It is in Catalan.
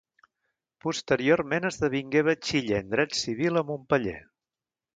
Posteriorment esdevingué batxiller en dret civil a Montpeller.